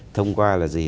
thông qua là gì